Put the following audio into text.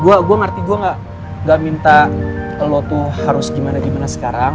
ya gua ngerti gua nggak minta lu tuh harus gimana gimana sekarang